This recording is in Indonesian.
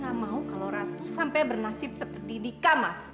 saya tidak mau kalau ratu sampai bernasib seperti dika mas